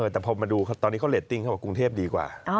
แต่พอมาดูตอนนี้เขาเรตติ้งเขาบอกกรุงเทพดีกว่า